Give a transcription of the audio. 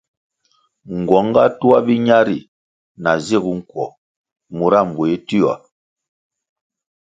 Nguong ga tuah biña ri na zig nkuo mura mbuéh tioa.